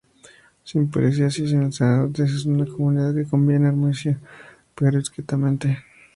Sin policías y sin sacerdotes, es una comunidad que convive armoniosa pero discretamente.